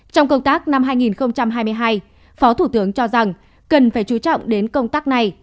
trong công tác năm hai nghìn hai mươi hai phó thủ tướng cho rằng cần phải chú trọng đến công tác này